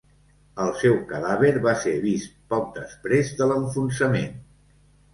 El seu cadàver va ser vist poc després de l'enfonsament.